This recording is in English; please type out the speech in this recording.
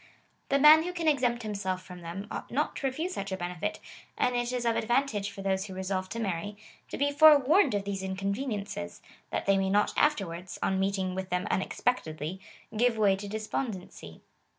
259 man who can exempt himself from them, ought not to refuse such a benefit, and it is of advantage for those who resolve to marry, to be forewarned of those inconveniences, that they may not afterwards, on meeting with them unexpect edly, give way to despondency.